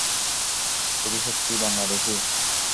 সে কি সত্যিই বাংলাদেশি?